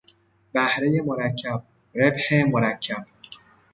بهرهی مرکب، ربح مرکب